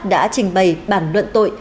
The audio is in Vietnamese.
đã trình bày bản luận tội